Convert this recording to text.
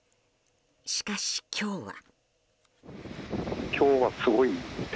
しかし、今日は。